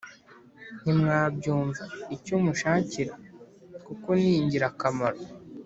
ntimwabyumva Icyo mushakira kuko ningira kamaro.